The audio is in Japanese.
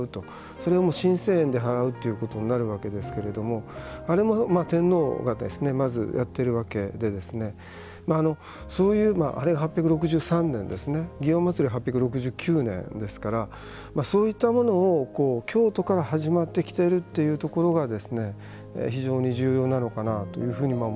それは神泉苑ではらうということになるわけですけれどもあれも天皇がまずやっているわけでそういうあれ８６３年ですね祇園祭が８６９年ですからそういったものを京都から始まってきているというところが非常に重要なのかな